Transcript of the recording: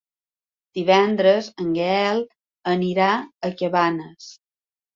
Divendres en Gaël anirà a Cabanes.